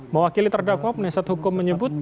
mewakili terdakwa penasihat hukum menyebut